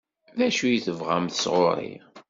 D acu i tebɣamt sɣur-i?